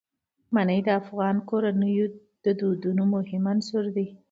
منی د افغان کورنیو د دودونو مهم عنصر دی.